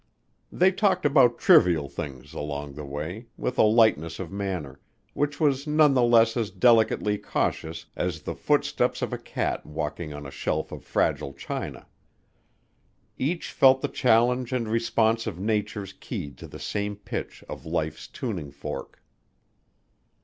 They talked about trivial things, along the way, with a lightness of manner, which was none the less as delicately cautious as the footsteps of a cat walking on a shelf of fragile china. Each felt the challenge and response of natures keyed to the same pitch of life's tuning fork.